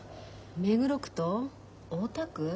目黒区と大田区？